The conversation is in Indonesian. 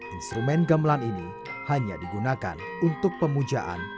instrumen gamelan ini hanya digunakan untuk pemujaan